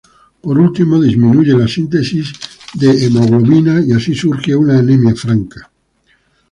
Por último, disminuye la síntesis de hemoglobina y así surge una anemia franca.